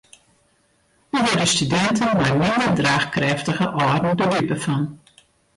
Dêr wurde studinten mei minder draachkrêftige âlden de dupe fan.